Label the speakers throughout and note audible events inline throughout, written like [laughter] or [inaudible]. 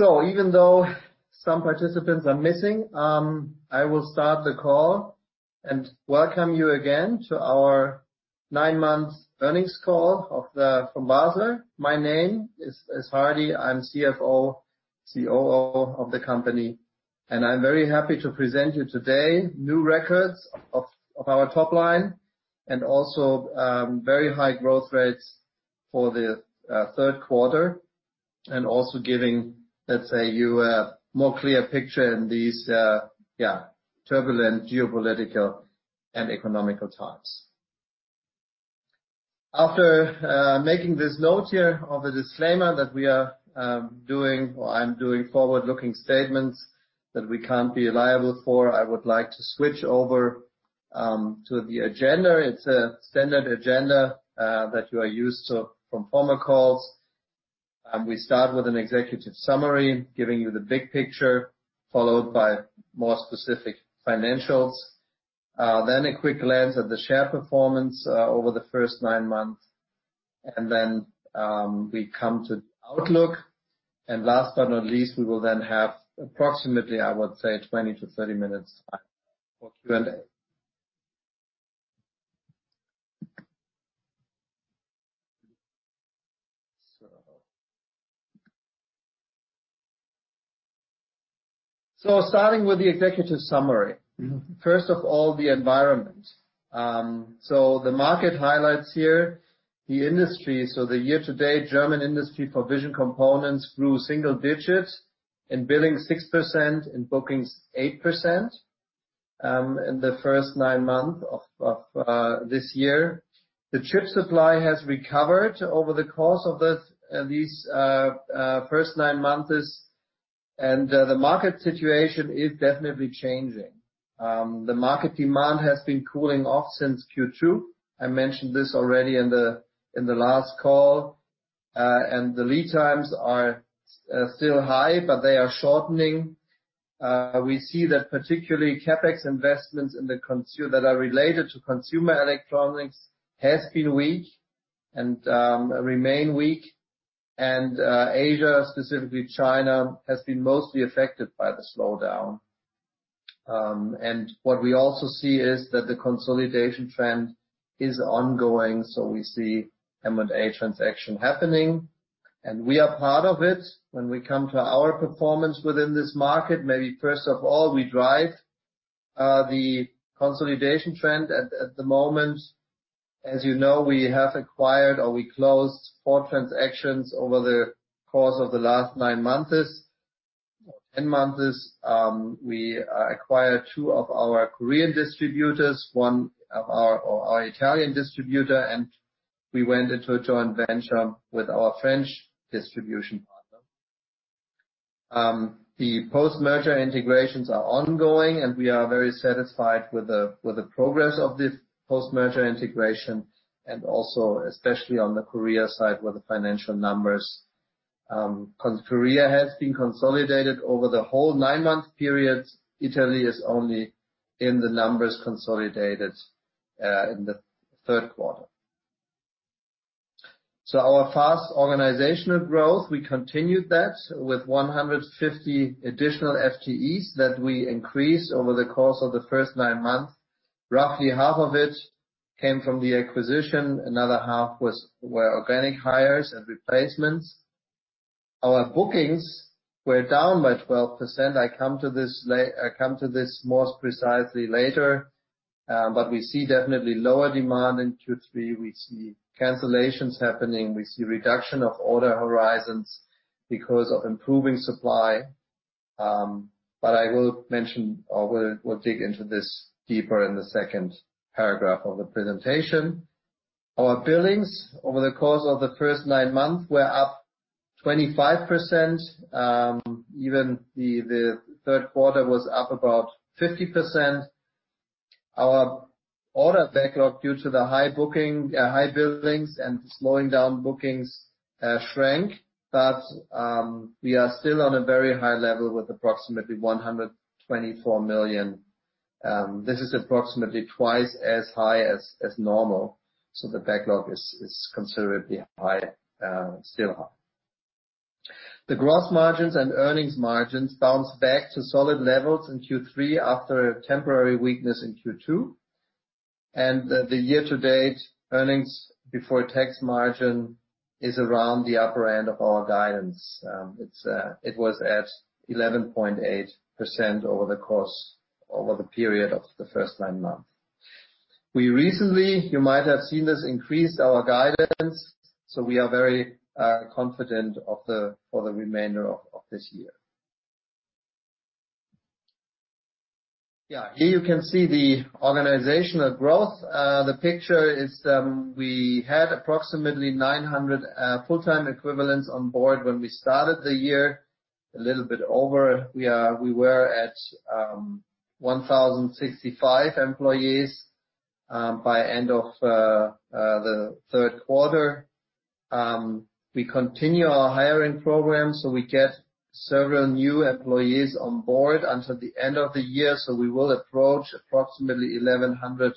Speaker 1: Even though some participants are missing, I will start the call and welcome you again to our 9-month earnings call from Basler. My name is Hardy, I'm CFO and COO of the company, and I'm very happy to present you today new records of our top line and also very high growth rates for the third quarter, and also giving, let's say, you a more clear picture in these yeah, turbulent geopolitical and economic times. After making this note here of a disclaimer that we are doing, or I'm doing forward-looking statements that we can't be liable for, I would like to switch over to the agenda. It's a standard agenda that you are used to from former calls. We start with an executive summary, giving you the big picture, followed by more specific financials. Then a quick glance at the share performance over the first 9 months. We come to outlook. Last but not least, we will then have approximately, I would say, 20-30 minutes for Q&A. Starting with the executive summary. First of all, the environment. The market highlights here, the industry. The year-to-date German industry for vision components grew single digits in billing 6%, in bookings 8%, in the first 9 months of this year. The chip supply has recovered over the course of these first 9 months, and the market situation is definitely changing. The market demand has been cooling off since Q2. I mentioned this already in the last call. The lead times are still high, but they are shortening. We see that particularly CapEx investments that are related to consumer electronics has been weak and remain weak. Asia, specifically China, has been mostly affected by the slowdown. What we also see is that the consolidation trend is ongoing, so we see M&A transaction happening, and we are part of it. When we come to our performance within this market, maybe first of all, we drive the consolidation trend. At the moment, as you know, we have acquired or we closed four transactions over the course of the last 9 months, 10 months. We acquired two of our Korean distributors, or our Italian distributor, and we went into a joint venture with our French distribution partner. The post-merger integrations are ongoing, and we are very satisfied with the progress of the post-merger integration and also especially on the Korea side, where the financial numbers, Korea has been consolidated over the whole 9-month period. Italy is only in the numbers consolidated in the third quarter. Our fast organizational growth, we continued that with 150 additional FTEs that we increased over the course of the first 9 months. Roughly half of it came from the acquisition. Another half were organic hires and replacements. Our bookings were down by 12%. I come to this most precisely later. We see definitely lower demand in Q3. We see cancellations happening. We see reduction of order horizons because of improving supply. I will mention or we'll dig into this deeper in the second paragraph of the presentation. Our billings over the course of the first 9 months were up 25%. Even the third quarter was up about 50%. Our order backlog due to the high bookings, high billings and slowing down bookings shrank, but we are still on a very high level with approximately 124 million. This is approximately twice as high as normal. The backlog is considerably high, still high. The gross margins and earnings margins bounced back to solid levels in Q3 after a temporary weakness in Q2. The year-to-date earnings before tax margin is around the upper end of our guidance. It was at 11.8% over the period of the first 9 months. We recently, you might have seen this, increased our guidance, so we are very confident for the remainder of this year. Yeah. Here you can see the organizational growth. The picture is, we had approximately 900 full-time equivalents on board when we started the year. A little bit over. We were at 1,065 employees by end of the third quarter. We continue our hiring program, so we get several new employees on board until the end of the year. We will approach approximately 1,100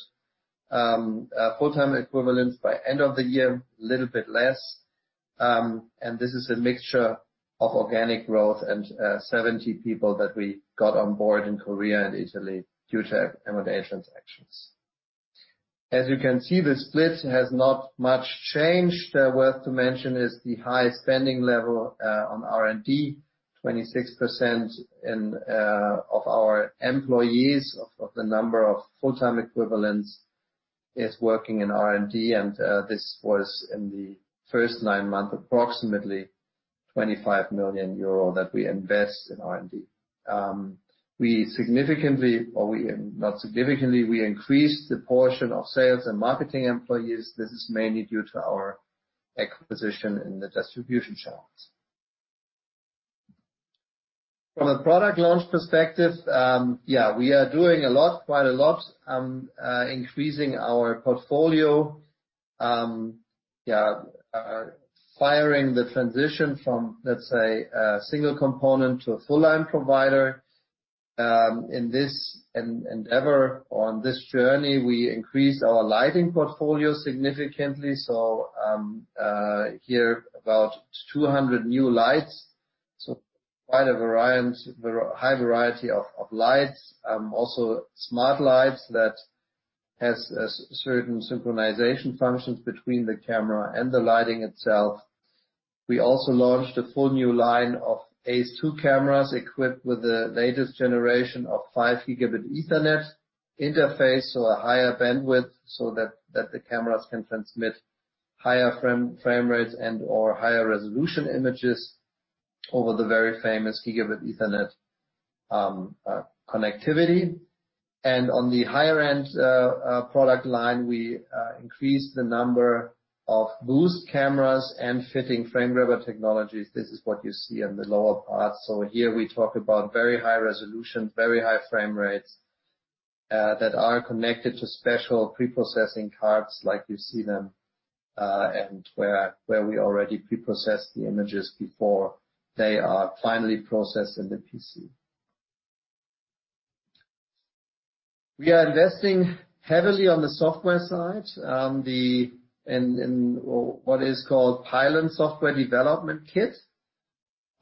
Speaker 1: full-time equivalents by end of the year, little bit less. This is a mixture of organic growth and 70 people that we got on board in Korea and Italy due to M&A transactions. As you can see, the split has not much changed. Worth to mention is the high spending level on R&D. 26% of our employees, of the number of full-time equivalents is working in R&D, and this was in the first 9 months, approximately 25 million euro that we invest in R&D. Not significantly, we increased the portion of sales and marketing employees. This is mainly due to our acquisition in the distribution channels. From a product launch perspective, we are doing a lot, quite a lot, increasing our portfolio, furthering the transition from, let's say, a single component to a full-line provider. In this endeavor on this journey, we increased our lighting portfolio significantly. Here about 200 new lights, so quite a high variety of lights. Also smart lights that has certain synchronization functions between the camera and the lighting itself. We also launched a full new line of ace two cameras equipped with the latest generation of 5 GbE interface, so a higher bandwidth, so that the cameras can transmit higher frame rates and or higher resolution images over the very famous Gigabit Ethernet connectivity. On the higher end product line, we increased the number of boost cameras and CXP frame grabber technologies. This is what you see on the lower part. Here we talk about very high resolution, very high frame rates that are connected to special pre-processing cards like you see them, and where we already pre-processed the images before they are finally processed in the PC. We are investing heavily on the software side in what is called pylon software development kit.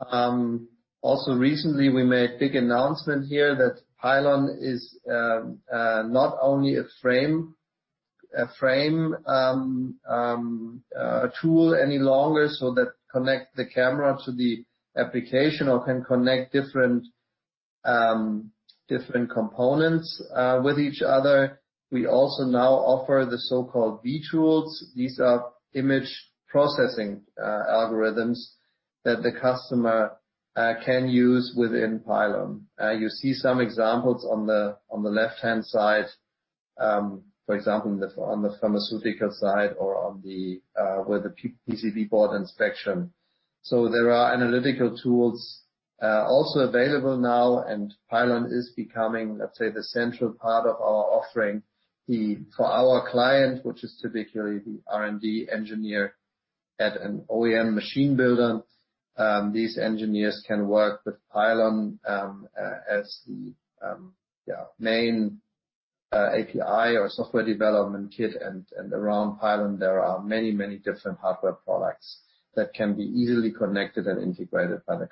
Speaker 1: Also recently we made big announcement here that pylon is not only a frame tool any longer, so that connect the camera to the application or can connect different components with each other. We also now offer the so-called vTools. These are image processing algorithms that the customer can use within pylon. You see some examples on the left-hand side, for example, on the pharmaceutical side or with the PCB board inspection. There are analytical tools also available now, and pylon is becoming, let's say, the central part of our offering. For our client, which is typically the R&D engineer at an OEM machine builder, these engineers can work with pylon as the main API or software development kit. Around pylon, there are many, many different hardware products that can be easily connected and integrated by the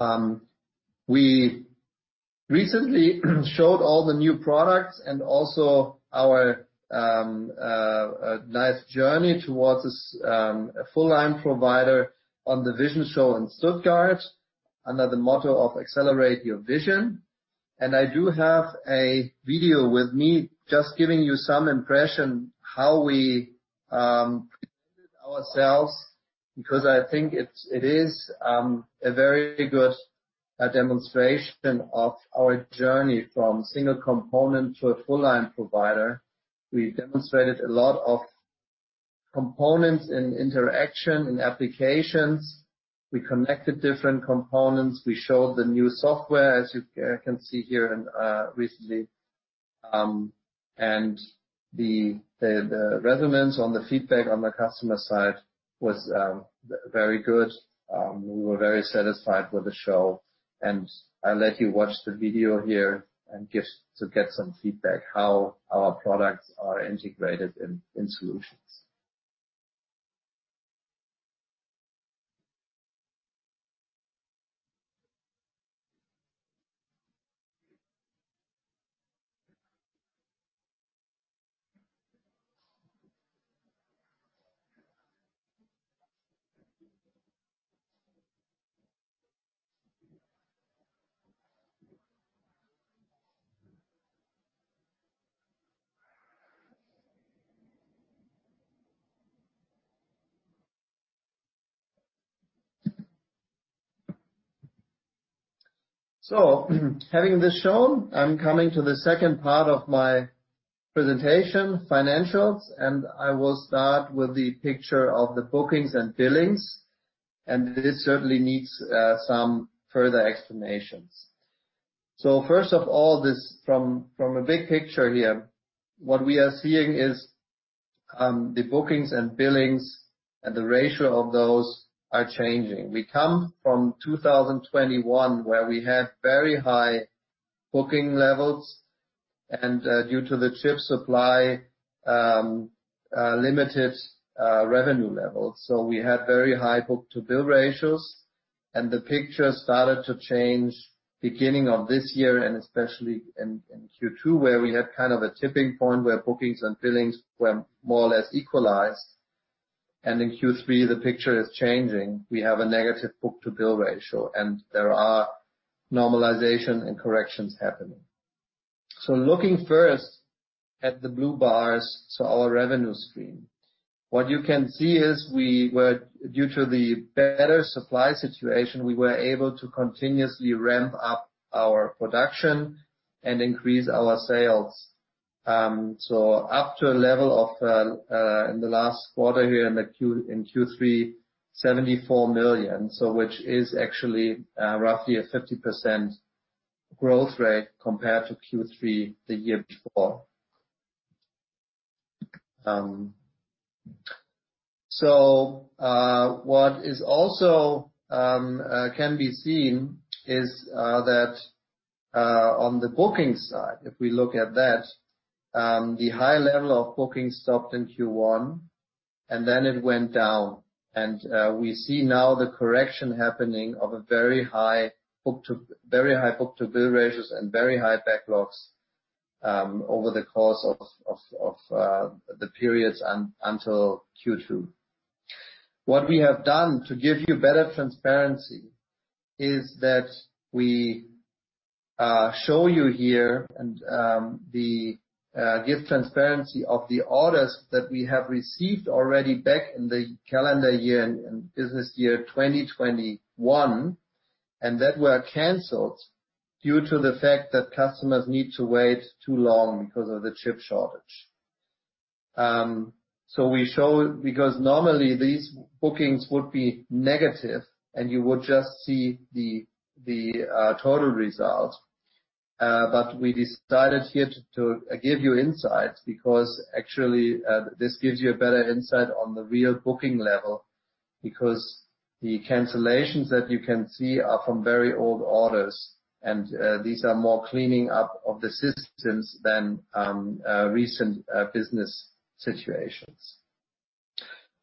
Speaker 1: customer. We recently showed all the new products and also our nice journey towards this full-line provider on the VISION show in Stuttgart under the motto of 'Accelerate your Vision.' I do have a video with me just giving you some impression how we presented ourselves, because I think it's a very good demonstration of our journey from single component to a full-line provider. We demonstrated a lot of components and interaction and applications. We connected different components. We showed the new software, as you can see here and recently. And the resonance on the feedback on the customer side was very good. We were very satisfied with the show, and I'll let you watch the video here to get some feedback how our products are integrated in solutions. Having this shown, I'm coming to the second part of my presentation, financials, and I will start with the picture of the bookings and billings, and this certainly needs some further explanations. First of all, from a big picture here, what we are seeing is the bookings and billings and the ratio of those are changing. We come from 2021, where we had very high booking levels and due to the chip supply limited revenue levels. We had very high book-to-bill ratios. The picture started to change beginning of this year, and especially in Q2, where we had kind of a tipping point where bookings and billings were more or less equalized. In Q3, the picture is changing. We have a negative book-to-bill ratio, and there are normalization and corrections happening. Looking first at the blue bars, so our revenue stream. What you can see is due to the better supply situation, we were able to continuously ramp up our production and increase our sales. Up to a level of, in the last quarter here in Q3, 74 million, which is actually roughly a 50% growth rate compared to Q3 the year before. What is also can be seen is that on the booking side, if we look at that, the high level of bookings stopped in Q1, and then it went down. We see now the correction happening of a very high book-to-bill ratios and very high backlogs over the course of the periods until Q2. What we have done to give you better transparency is that we show you here and give transparency of the orders that we have received already back in the calendar year and business year 2021, and that were canceled due to the fact that customers need to wait too long because of the chip shortage. We show because normally these bookings would be negative and you would just see the total result. We decided here to give you insights because actually this gives you a better insight on the real booking level, because the cancellations that you can see are from very old orders, and these are more cleaning up of the systems than recent business situations.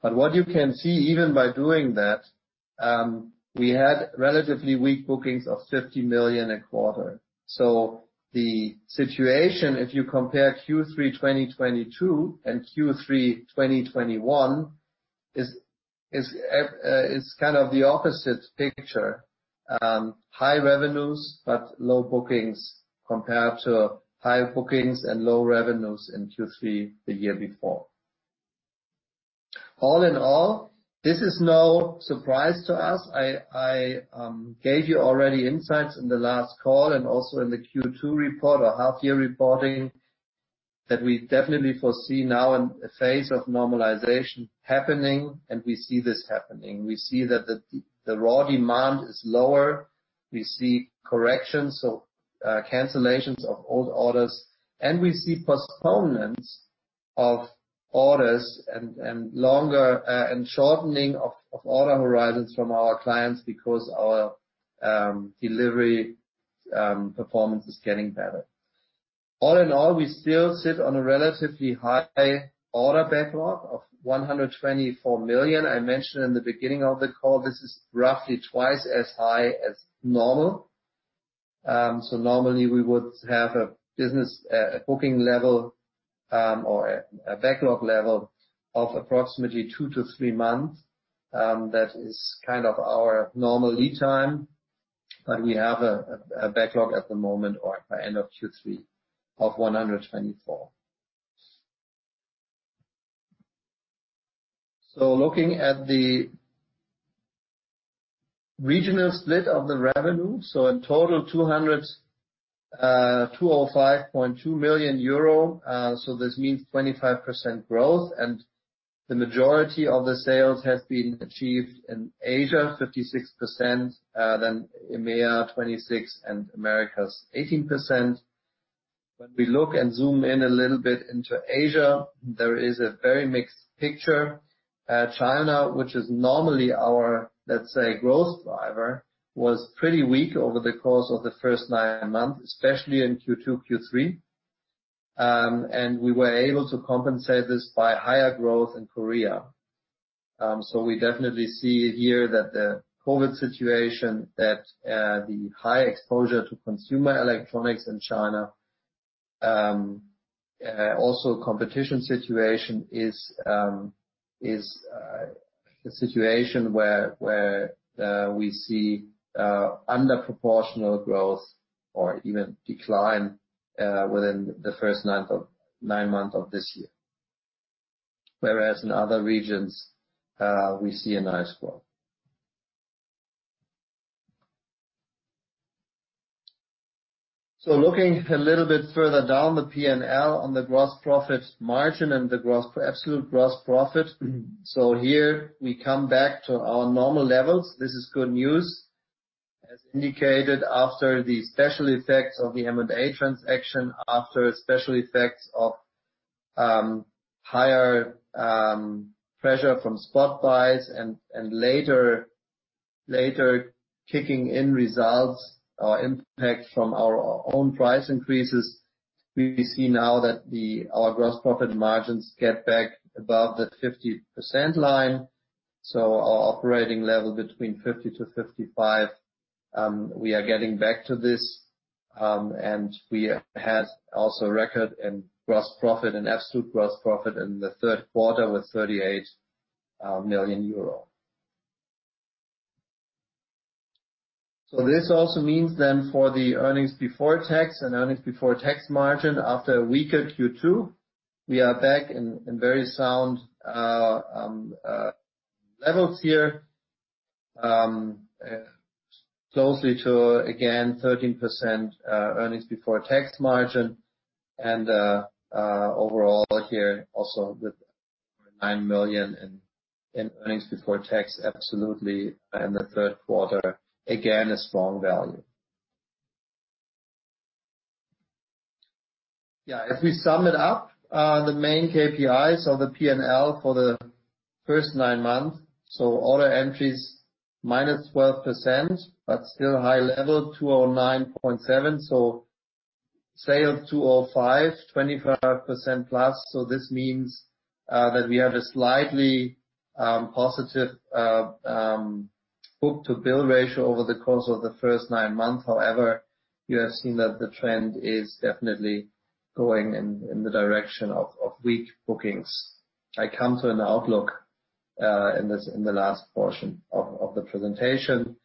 Speaker 1: What you can see, even by doing that, we had relatively weak bookings of 50 million a quarter. The situation, if you compare Q3 2022 and Q3 2021, is kind of the opposite picture. High revenues, but low bookings compared to high bookings and low revenues in Q3 the year before. All in all, this is no surprise to us. I gave you already insights in the last call and also in the Q2 report or half-year reporting that we definitely foresee now a phase of normalization happening, and we see this happening. We see that the raw demand is lower. We see corrections, so cancellations of old orders, and we see postponements of orders and shortening of order horizons from our clients because our delivery performance is getting better. All in all, we still sit on a relatively high order backlog of 124 million. I mentioned in the beginning of the call, this is roughly twice as high as normal. Normally we would have a business booking level or a backlog level of approximately 2-3 months. That is kind of our normal lead time, but we have a backlog at the moment or by end of Q3 of 124 million. Looking at the regional split of the revenue, in total 205.2 million euro, this means 25% growth, and the majority of the sales has been achieved in Asia, 56%, then EMEA 26%, and Americas 18%. When we look and zoom in a little bit into Asia, there is a very mixed picture. China, which is normally our, let's say growth driver, was pretty weak over the course of the first 9 months, especially in Q2-Q3. We were able to compensate this by higher growth in Korea. We definitely see here that the COVID situation that the high exposure to consumer electronics in China also competition situation is a situation where we see under proportional growth or even decline within the first 9 months of this year. Whereas in other regions, we see a nice growth. Looking a little bit further down the P&L on the gross profit margin and the absolute gross profit. Here we come back to our normal levels. This is good news. As indicated after the special effects of the M&A transaction, after special effects of higher pressure from spot buys and later kicking in results or impact from our own price increases. We see now that our gross profit margins get back above the 50% line. Our operating level between 50%-55%, we are getting back to this, and we have also record in gross profit and absolute gross profit in the third quarter with 38 million euro. This also means then for the earnings before tax and earnings before tax margin, after a weaker Q2, we are back in very sound levels here. Closely to again 13% earnings before tax margin and overall here also with 9 million in earnings before tax, absolutely in the third quarter, again a strong value. Yeah, if we sum it up, the main KPIs of the P&L for the first 9 months, order entries -12%, but still high level 209.7. Sales 205, 25%+. This means that we have a slightly positive book-to-bill ratio over the course of the first 9 months. However, you have seen that the trend is definitely going in the direction of weak bookings. I come to an outlook in the last portion of the presentation.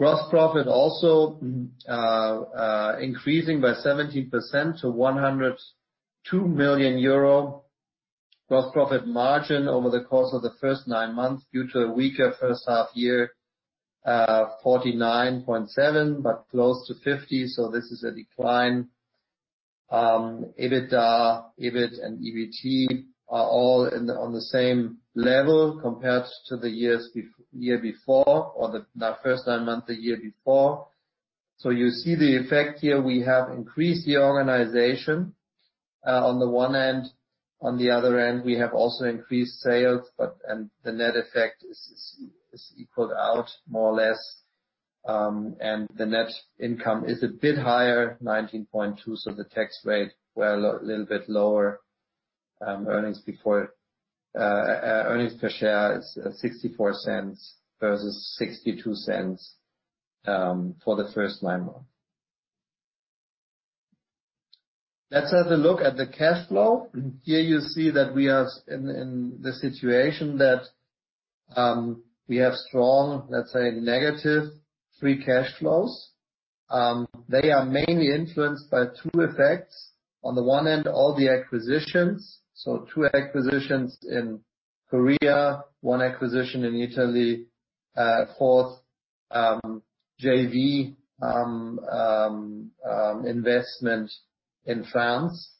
Speaker 1: Gross profit also increasing by 17% to 102 million euro. Gross profit margin over the course of the first 9 months due to a weaker first half year, 49.7%, but close to 50%. This is a decline. EBITDA, EBIT and EBT are all on the same level compared to the year before or the first 9 months the year before. You see the effect here. We have increased the organization on the one end. On the other end, we have also increased sales, and the net effect is equaled out more or less. The net income is a bit higher, 19.2 million, so the tax rate were a little bit lower, earnings per share is 0.64 versus 0.62 for the first 9 months. Let's have a look at the cash flow. Here you see that we are in the situation that we have strong, let's say, negative free cash flows. They are mainly influenced by two effects. On the one end, all the acquisitions. Two acquisitions in Korea, one acquisition in Italy, four JV investment in France.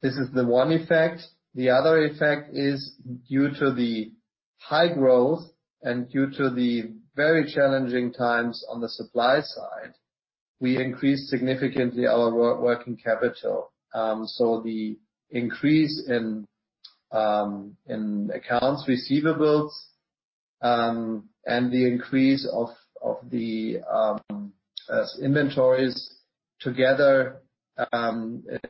Speaker 1: This is the one effect. The other effect is due to the high growth and due to the very challenging times on the supply side, we increased significantly our working capital. The increase in accounts receivable and the increase of the inventories together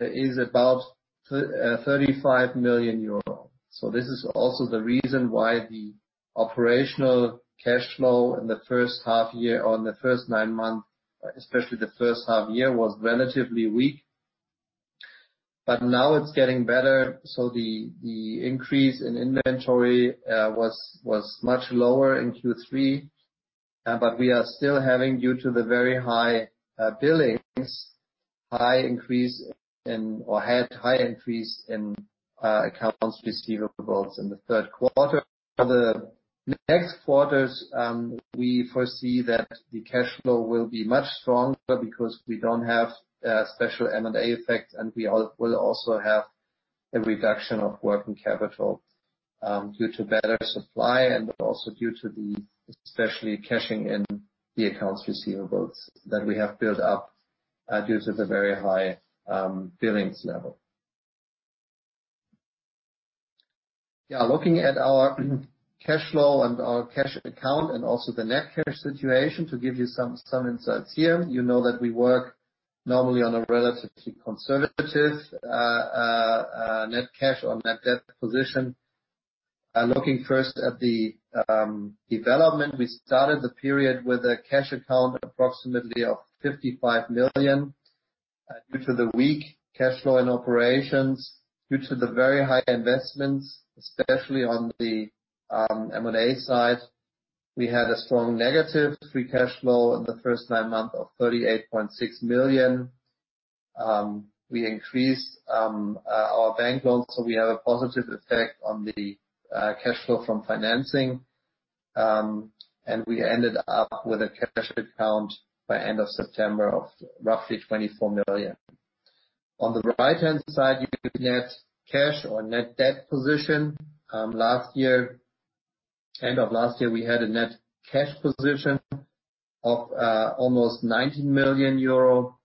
Speaker 1: is about 35 million euro. This is also the reason why the operational cash flow in the first half year and the first 9 months, especially the first half year, was relatively weak. Now it's getting better. The increase in inventory was much lower in Q3. We are still having, due to the very high billings, high increase in accounts receivable in the third quarter. For the next quarters, we foresee that the cash flow will be much stronger because we don't have special M&A effects, and we will also have a reduction of working capital due to better supply and also due to especially cashing in the accounts receivables that we have built up due to the very high billings level. Yeah, looking at our cash flow and our cash account and also the net cash situation to give you some insights here. You know that we work normally on a relatively conservative net cash or net debt position. Looking first at the development, we started the period with a cash account approximately of 55 million. Due to the weak cash flow in operations, due to the very high investments, especially on the M&A side, we had a strong negative free cash flow in the first 9 months of 38.6 million. We increased our bank loans, so we have a positive effect on the cash flow from financing. We ended up with a cash account by end of September of roughly 24 million. On the right-hand side, you have net cash or net debt position. Last year, end of last year, we had a net cash position of almost 90 million euro.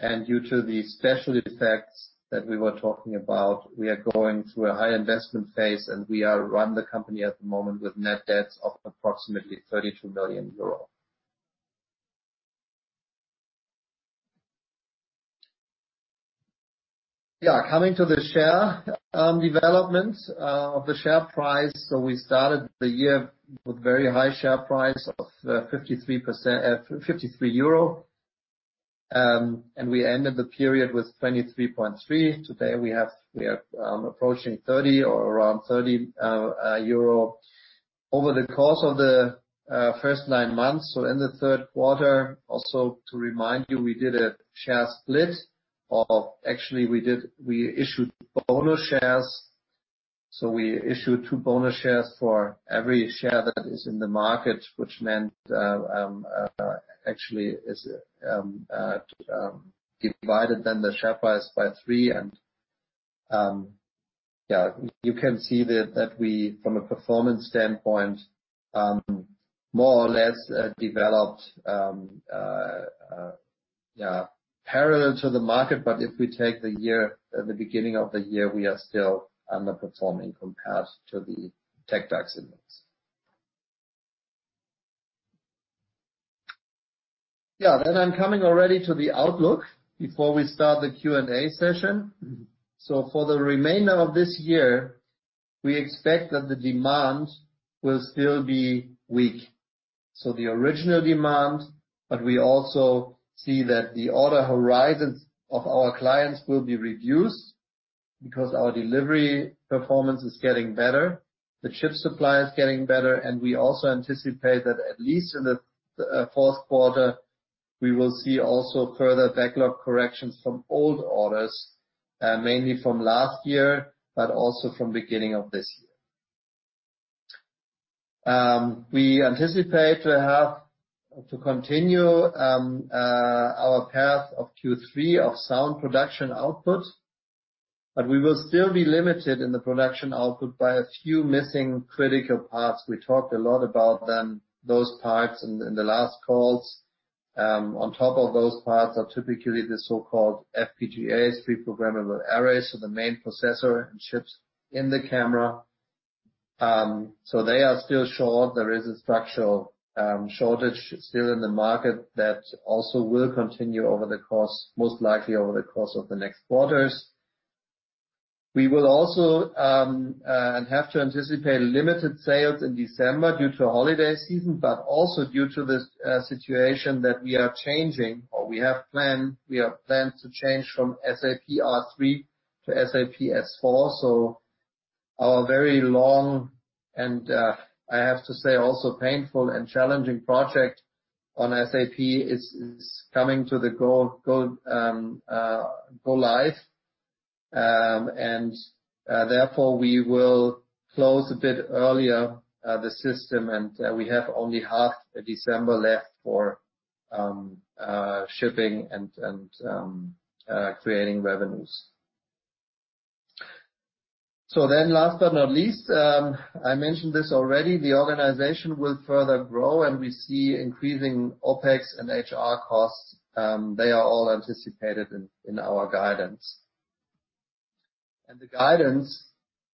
Speaker 1: Due to the special effects that we were talking about, we are going through a high investment phase, and we run the company at the moment with net debts of approximately 32 million euros. Coming to the share development of the share price. We started the year with very high share price of 53. We ended the period with 23.3. Today, we are approaching 30 or around 30 euro. Over the course of the first 9 months, in the third quarter, also to remind you, we did a share split. Actually, we issued bonus shares. We issued two bonus shares for every share that is in the market, which meant actually is divided then the share price by 3. You can see that we, from a performance standpoint, more or less developed parallel to the market. If we take the beginning of the year, we are still underperforming compared to the TecDAX index. Yeah. I'm coming already to the outlook before we start the Q&A session. For the remainder of this year, we expect that the demand will still be weak. The overall demand, but we also see that the order horizons of our clients will be reduced because our delivery performance is getting better, the chip supply is getting better, and we also anticipate that at least in the fourth quarter, we will see also further backlog corrections from old orders, mainly from last year, but also from beginning of this year. We anticipate to have to continue our path of Q3 of strong production output, but we will still be limited in the production output by a few missing critical parts. We talked a lot about them, those parts in the last calls. On top of those parts are typically the so-called FPGAs, reprogrammable arrays, so the main processor and chips in the camera. They are still short. There is a structural shortage still in the market that also will continue most likely over the course of the next quarters. We will also have to anticipate limited sales in December due to holiday season, but also due to this situation that we have plans to change from SAP R/3 to SAP S/4. Our very long and, I have to say, also painful and challenging project on SAP is coming to go live. Therefore, we will close a bit earlier, the system and we have only half of December left for shipping and creating revenues. Last but not least, I mentioned this already, the organization will further grow, and we see increasing OpEx and HR costs. They are all anticipated in our guidance. The guidance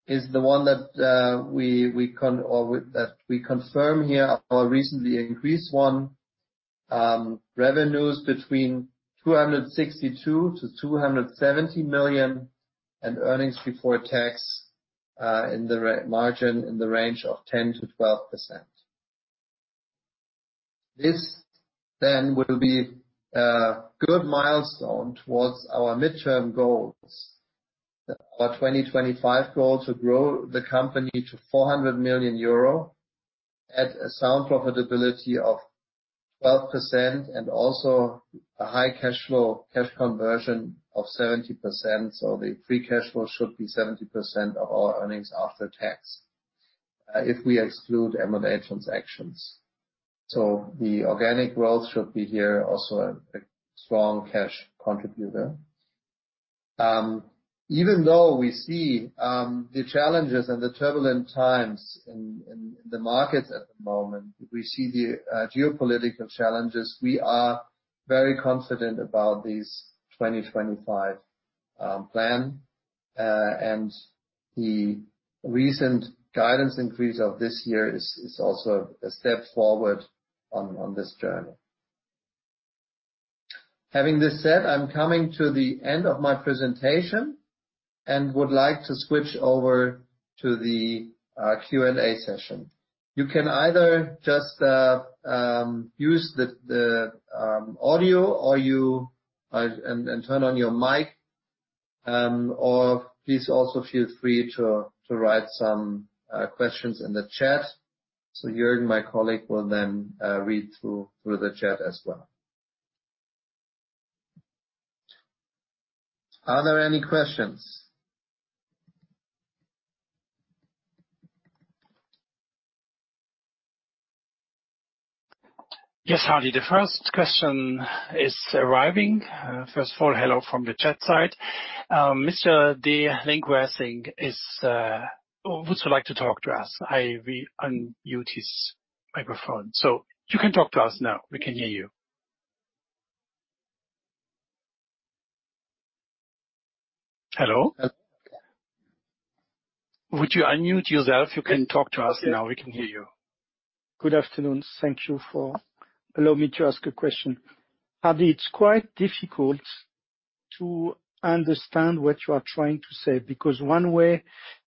Speaker 1: is the one that we confirm here, our recently increased one. Revenues between 262 million and 270 million, and earnings before tax margin in the range of 10%-12%. This will be a good milestone towards our midterm goals. Our 2025 goal to grow the company to 400 million euro at a sound profitability of 12% and also a high cash flow, cash conversion of 70%. The free cash flow should be 70% of our earnings after tax, if we exclude M&A transactions. The organic growth should be here also a strong cash contributor. Even though we see the challenges and the turbulent times in the markets at the moment, we see the geopolitical challenges, we are very confident about this 2025 plan. The recent guidance increase of this year is also a step forward on this journey. Having this said, I'm coming to the end of my presentation and would like to switch over to the Q&A session. You can either just use the audio or turn on your mic, or please also feel free to write some questions in the chat. Jürgen, my colleague, will then read through the chat as well. Are there any questions?
Speaker 2: Yes, Hardy. The first question is arriving. First of all, hello from the chat side. Mr. [crosstalk] would also like to talk to us. I will unmute his microphone. You can talk to us now. We can hear you. Hello? Would you unmute yourself? You can talk to us now. We can hear you.
Speaker 3: Good afternoon. Thank you for allowing me to ask a question. Hardy, it's quite difficult to understand what you are trying to say, because one way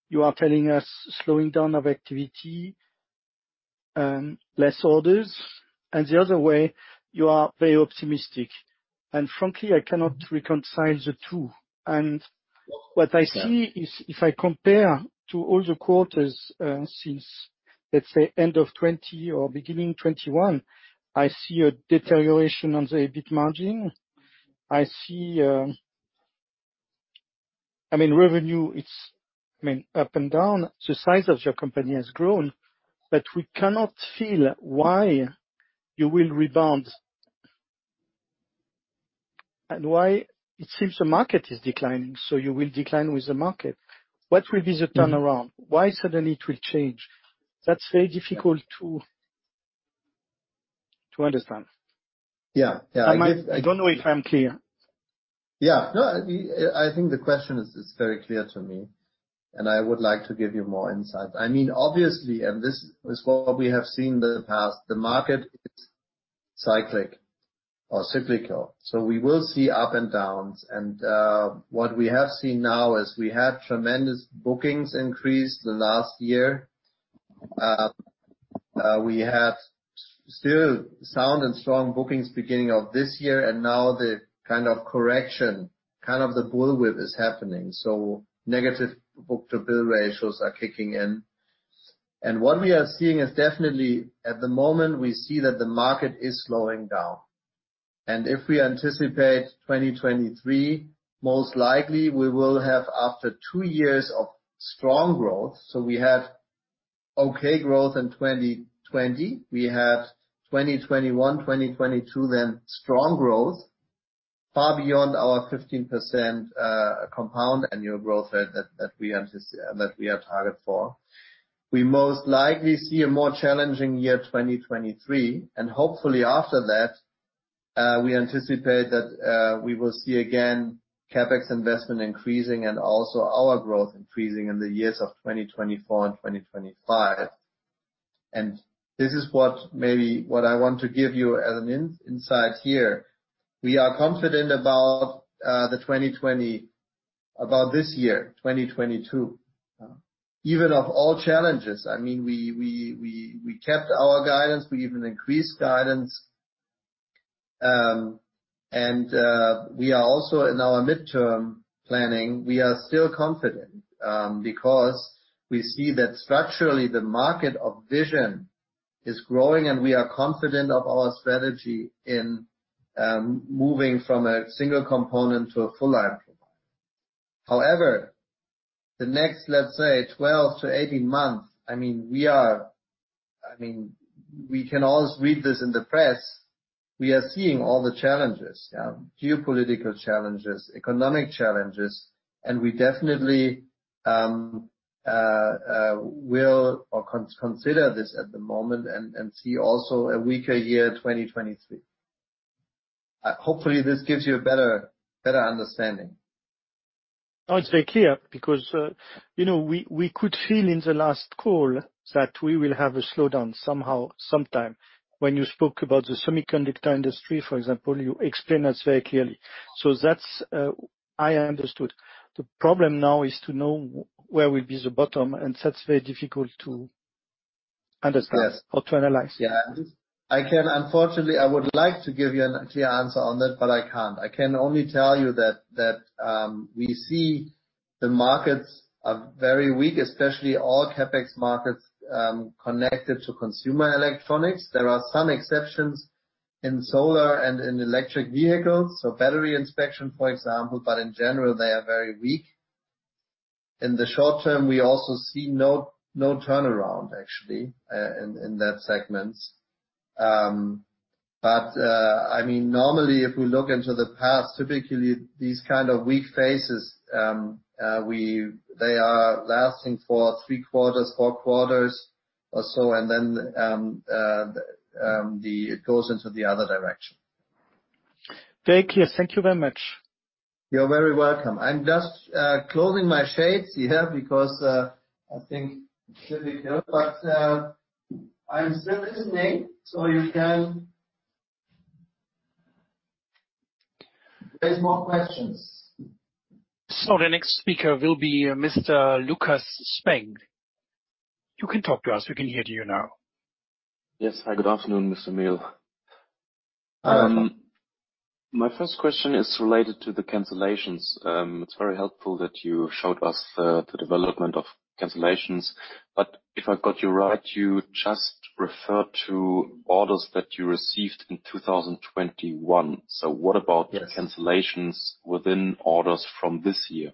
Speaker 3: you are telling us slowing down of activity and less orders, and the other way, you are very optimistic. Frankly, I cannot reconcile the two. What I see is if I compare to all the quarters since, let's say end of 2020 or beginning 2021, I see a deterioration on the EBIT margin. I see. I mean, revenue, it's up and down. The size of your company has grown, but we cannot feel why you will rebound and why it seems the market is declining, so you will decline with the market. What will be the turnaround? Why suddenly it will change? That's very difficult to understand.
Speaker 1: Yeah.
Speaker 3: I don't know if I'm clear.
Speaker 1: Yeah. No, I think the question is very clear to me, and I would like to give you more insight. I mean, obviously, and this is what we have seen in the past, the market is cyclic or cyclical. We will see ups and downs. What we have seen now is we had tremendous bookings increase the last year. We had still sound and strong bookings beginning of this year, and now the kind of correction, kind of the bullwhip is happening. Negative book-to-bill ratios are kicking in. What we are seeing is definitely, at the moment, we see that the market is slowing down. If we anticipate 2023, most likely we will have after two years of strong growth. We have okay growth in 2020. We have 2021, 2022, then strong growth far beyond our 15% compound annual growth rate that we are targeted for. We most likely see a more challenging year, 2023. Hopefully after that, we anticipate that we will see again CapEx investment increasing and also our growth increasing in the years of 2024 and 2025. This is what I want to give you as an insight here. We are confident about this year, 2022. Even with all challenges, I mean, we kept our guidance. We even increased guidance. We are also in our midterm planning. We are still confident because we see that structurally the market of vision is growing, and we are confident of our strategy in moving from a single component to a full-line provider. However, the next, let's say, 12-18 months, I mean, we can always read this in the press. We are seeing all the challenges, geopolitical challenges, economic challenges, and we definitely will consider this at the moment and see also a weaker year, 2023. Hopefully this gives you a better understanding.
Speaker 3: It's very clear because you know, we could feel in the last call that we will have a slowdown somehow, sometime. When you spoke about the semiconductor industry, for example, you explained that very clearly. That's. I understood. The problem now is to know where will be the bottom, and that's very difficult to understand or to analyze.
Speaker 1: Yeah. Unfortunately, I would like to give you a clear answer on that, but I can't. I can only tell you that we see the markets are very weak, especially all CapEx markets connected to consumer electronics. There are some exceptions in solar and in electric vehicles, so battery inspection, for example, but in general, they are very weak. In the short term, we also see no turnaround actually, in that segment. I mean, normally, if we look into the past, typically these kind of weak phases, they are lasting for three quarters, four quarters or so, and then it goes into the other direction.
Speaker 3: Very clear. Thank you very much.
Speaker 1: You're very welcome. I'm just closing my shades here because I think it's a bit difficult, but I'm still listening, so you can raise more questions.
Speaker 2: The next speaker will be Mr. Lukas Spang. You can talk to us. We can hear you now.
Speaker 4: Yes. Hi, good afternoon, Mr. Mehl. My first question is related to the cancellations. It's very helpful that you showed us the development of cancellations. If I got you right, you just referred to orders that you received in 2021. What about the cancellations within orders from this year?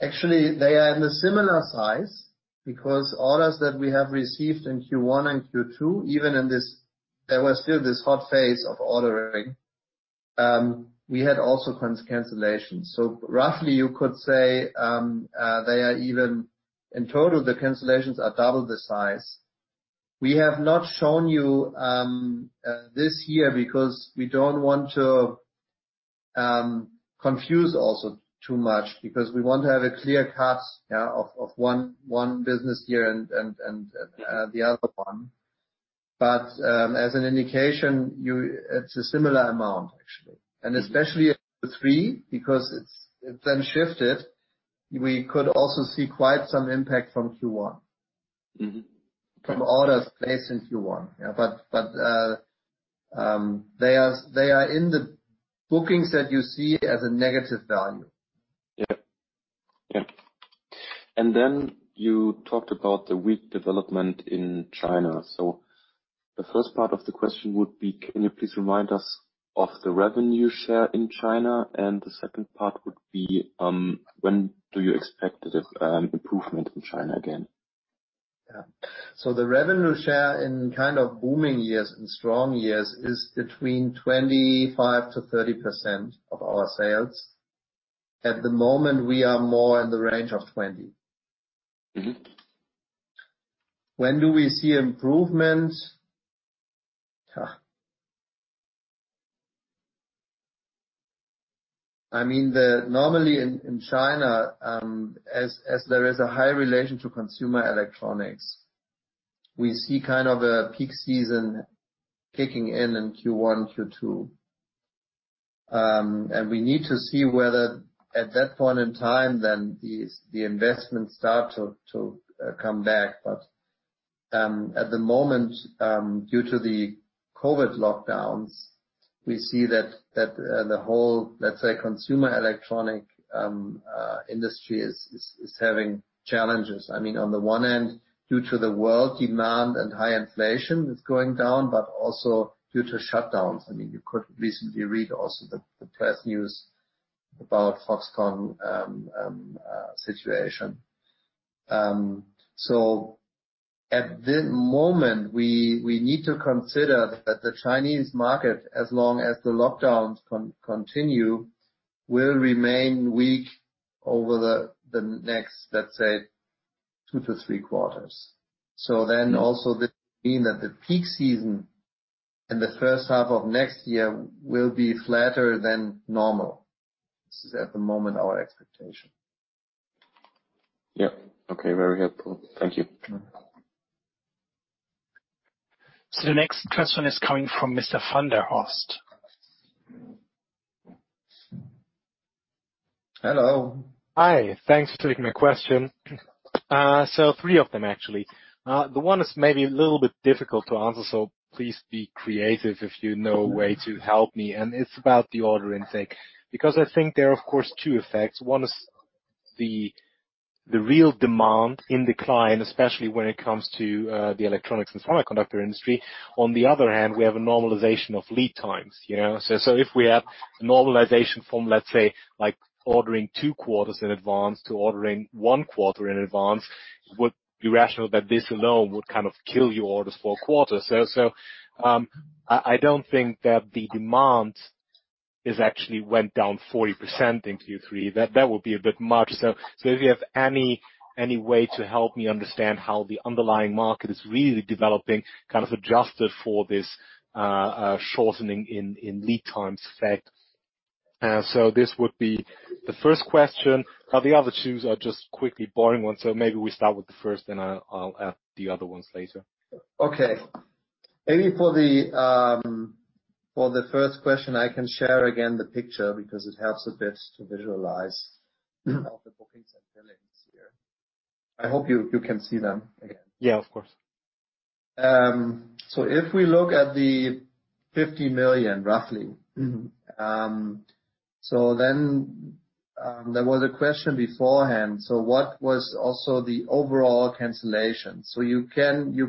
Speaker 1: Actually, they are in a similar size because orders that we have received in Q1 and Q2, even in this, there was still this hot phase of ordering. We had also cancellations. Roughly you could say they are even. In total, the cancellations are double the size. We have not shown you this year because we don't want to confuse also too much because we want to have a clear cut of one business year and the other one. As an indication, it's a similar amount actually. Especially Q3, because it then shifted. We could also see quite some impact from orders placed in Q1. Yeah. They are in the bookings that you see as a negative value.
Speaker 4: Yeah. You talked about the weak development in China. The first part of the question would be, can you please remind us of the revenue share in China? The second part would be, when do you expect this improvement in China again?
Speaker 1: The revenue share in kind of booming years and strong years is between 25%-30% of our sales. At the moment, we are more in the range of 20%. When do we see improvement? I mean, normally in China, as there is a high reliance on consumer electronics, we see kind of a peak season kicking in in Q1, Q2. We need to see whether at that point in time the investments start to come back. At the moment, due to the COVID lockdowns, we see that the whole, let's say, consumer electronics industry is having challenges. I mean, on the one hand, due to weak demand and high inflation is going down, but also due to shutdowns. I mean, you could recently read also the press news about Foxconn situation. At the moment, we need to consider that the Chinese market, as long as the lockdowns continue, will remain weak over the next, let's say, 2-3 quarters. Also this mean that the peak season in the first half of next year will be flatter than normal. This is at the moment our expectation.
Speaker 5: Okay. Very helpful. Thank you.
Speaker 2: The next question is coming from Mr. Van der Horst.
Speaker 1: Hello.
Speaker 5: Hi. Thanks for taking my question. Three of them actually. The one is maybe a little bit difficult to answer, so please be creative if you know a way to help me. It's about the order intake. I think there are of course two effects. One is the real demand in decline, especially when it comes to the electronics and semiconductor industry. On the other hand, we have a normalization of lead times, you know. I don't think that the demand is actually went down 40% in Q3. That would be a bit much. If you have any way to help me understand how the underlying market is really developing, kind of adjusted for this shortening in lead times effect. This would be the first question. The other two are just quickly boring ones, maybe we start with the first, then I'll add the other ones later.
Speaker 1: Okay. Maybe for the first question, I can share again the picture because it helps a bit to visualize. All the bookings and billings here. I hope you can see them again.
Speaker 5: Yeah. Of course.
Speaker 1: If we look at the 50 million, roughly. There was a question beforehand. What was also the overall cancellation? You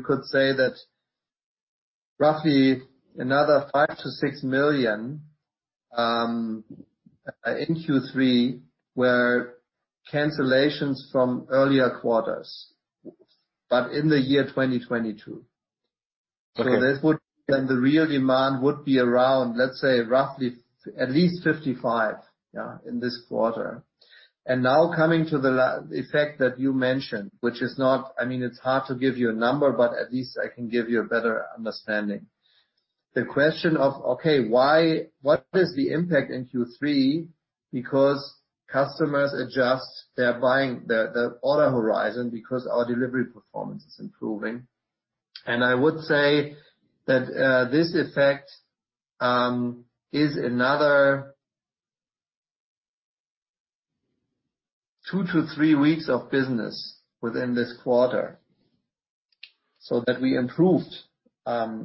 Speaker 1: could say that roughly another 5 million-6 million in Q3 were cancellations from earlier quarters, but in the year 2022.
Speaker 5: Okay.
Speaker 1: The real demand would be around, let's say roughly at least 55 million in this quarter. Now coming to the lag effect that you mentioned, which, I mean, it's hard to give you a number, but at least I can give you a better understanding. The question of what is the impact in Q3? Because customers adjust their buying, the order horizon because our delivery performance is improving. I would say that this effect is another 2-3 weeks of business within this quarter, so that we improved. This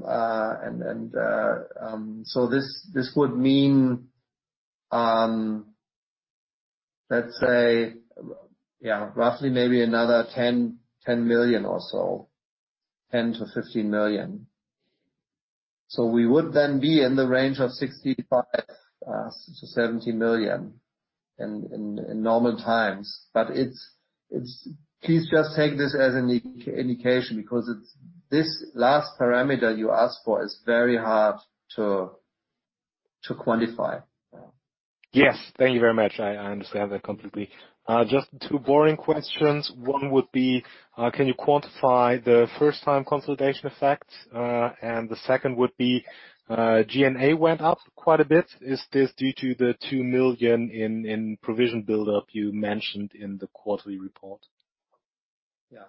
Speaker 1: would mean, let's say roughly maybe another 10 million-15 million. We would then be in the range of 65 million-70 million in normal times. Please just take this as an indication, because it's this last parameter you asked for is very hard to quantify.
Speaker 5: Yes. Thank you very much. I understand that completely. Just two boring questions. One would be, can you quantify the first time consolidation effect? The second would be, G&A went up quite a bit. Is this due to the 2 million in provision build-up you mentioned in the quarterly report?
Speaker 1: Yeah.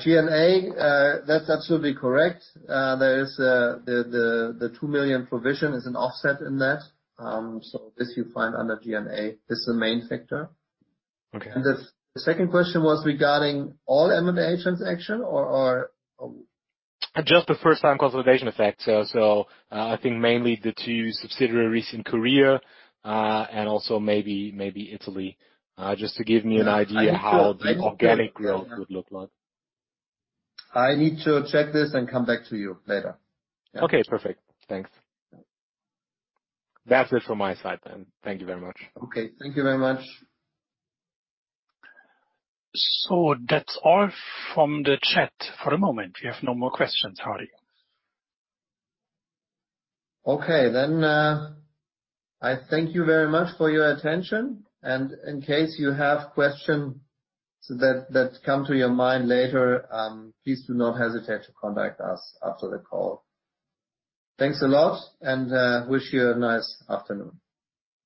Speaker 1: G&A, that's absolutely correct. There is the 2 million provision is an offset in that. This you find under G&A. This is the main factor.
Speaker 5: Okay.
Speaker 1: The second question was regarding all M&A transaction, or?
Speaker 5: Just the first time consolidation effect. I think mainly the two subsidiaries in Korea, and also maybe Italy. Just to give me an idea how the organic growth would look like.
Speaker 1: I need to check this and come back to you later. Yeah.
Speaker 5: Okay. Perfect. Thanks. That's it from my side then. Thank you very much.
Speaker 1: Okay. Thank you very much.
Speaker 2: That's all from the chat for the moment. We have no more questions, Hardy.
Speaker 1: Okay. I thank you very much for your attention, and in case you have question that come to your mind later, please do not hesitate to contact us after the call. Thanks a lot, and wish you a nice afternoon.